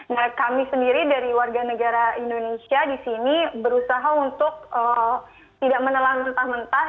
nah kami sendiri dari warga negara indonesia di sini berusaha untuk tidak menelan mentah mentah